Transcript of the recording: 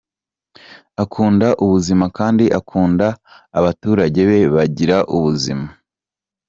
Akunda ubuzima, kandi akunda ko abaturage be bagira ubuzima.